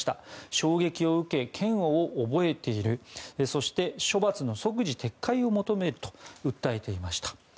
衝撃を受け嫌悪を覚えているそして処罰の即時撤回を求めると訴えていました。